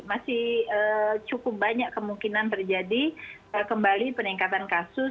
masih cukup banyak kemungkinan terjadi kembali peningkatan kasus